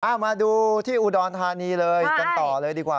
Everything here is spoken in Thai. มาดูที่อุดรธานีเลยกันต่อเลยดีกว่า